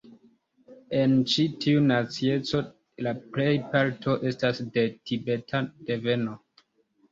En ĉi tiu nacieco la plejparto estas de Tibeta deveno.